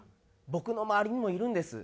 僕の周りにもいるんです。